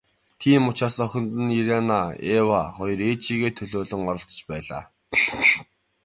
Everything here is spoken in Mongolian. Тийм учраас охид нь, Ирене Эве хоёр ээжийгээ төлөөлөн оролцож байлаа.